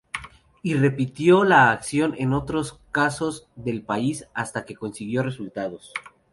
Y repitió la acción en otros cosos del país hasta que consiguió resultados.